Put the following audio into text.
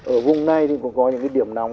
ở vùng này thì cũng có những cái điểm nòng